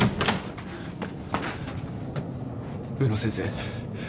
植野先生。